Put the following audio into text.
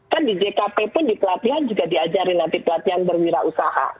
kan di jkp pun di pelatihan juga diajarin nanti pelatihan berwirausaha